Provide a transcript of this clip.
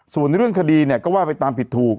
ส่วนเรื่องคดีเนี่ยก็ว่าไปตามผิดถูก